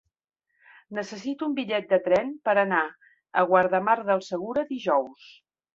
Necessito un bitllet de tren per anar a Guardamar del Segura dijous.